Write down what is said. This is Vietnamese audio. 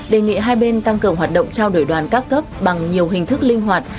đề nghị hai bên tăng cường hoạt động trao đổi đoàn các cấp bằng nhiều hình thức linh hoạt